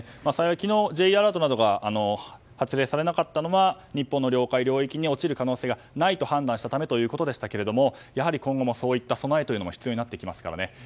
昨日、Ｊアラートなどが発令されなかったのは日本の領海・領域に落ちる可能性がないと判断したためということでしたけども今後もそういった備えが必要になってきますからね。